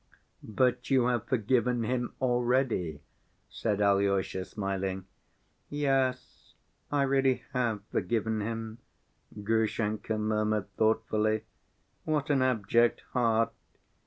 "But you have forgiven him already," said Alyosha, smiling. "Yes, I really have forgiven him," Grushenka murmured thoughtfully. "What an abject heart!